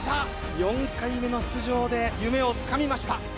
４回目の出場で夢をつかみました。